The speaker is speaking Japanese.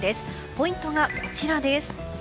ポイントがこちらです。